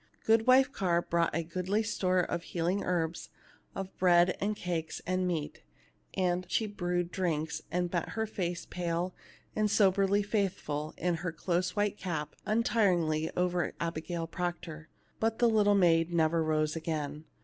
Goodwife Carr brought a goodly store of heal ing herbs, of bread and cakes and meat, and she brewed drinks, and bent her face, pale and so berly faithful, in her close white cap, untiringly over Abigail Proctor. But the little maid never arose again.